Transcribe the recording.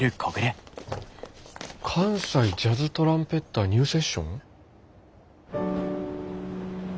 「関西ジャズトランペッターニューセッション」？